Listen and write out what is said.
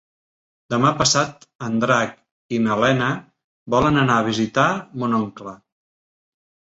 Demà passat en Drac i na Lena volen anar a visitar mon oncle.